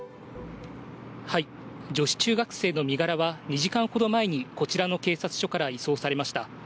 はい、女子中学生の身柄は２時間ほど前にこちらの警察署から移送されました。